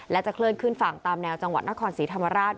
และจะเคลื่อนขึ้นฝั่งตามแนวจังหวัดนครศรีธรรมราช